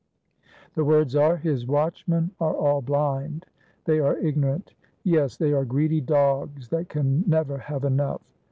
The words are, "His watchmen are all blind, they are ignorant; yes, they are greedy dogs, that can never have enough."